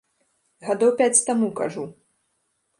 Гадоў пяць таму, кажу.